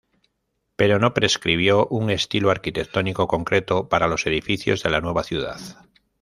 Pero no prescribió un estilo arquitectónico concreto para los edificios de la nueva ciudad.